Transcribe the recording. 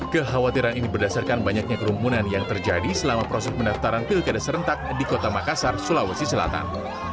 kekhawatiran ini berdasarkan banyaknya kerumunan yang terjadi selama proses pendaftaran pilkada serentak di kota makassar sulawesi selatan